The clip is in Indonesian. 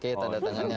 oke tanda tangannya